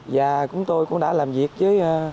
và cũng tôi cũng đã làm việc với